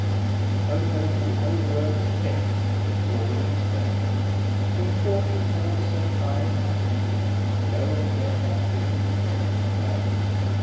O noble, O worthy PEDRO, <28> glory OF SPAIN, Whem Fortune held so high in majesty, Well oughte men thy piteous death complain.